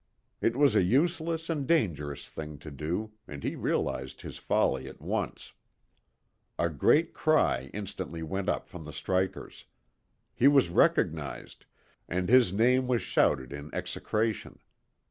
It was a useless and dangerous thing to do, and he realized his folly at once. A great cry instantly went up from the strikers. He was recognized, and his name was shouted in execration.